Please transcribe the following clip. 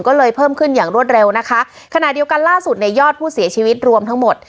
ก็เลยเพิ่มขึ้นอย่างรวดเร็วนะคะขณะเดียวกันล่าสุดเนี่ยยอดผู้เสียชีวิตรวมทั้งหมด